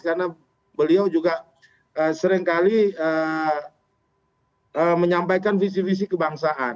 karena beliau juga seringkali menyampaikan visi visi kebangsaan